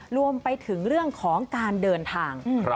รวมไปถึงเรื่องของการเดินทาง